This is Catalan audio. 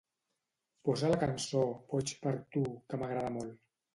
Posa la cançó "Boig per tu", que m'agrada molt